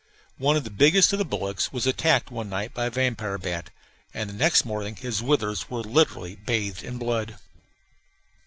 One of the biggest of the bullocks was attacked one night by a vampire bat, and next morning his withers were literally bathed in blood.